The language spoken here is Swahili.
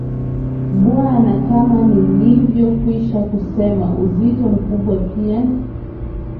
bwa na kama nilivyo kwisha kusema uzito mkubwa pia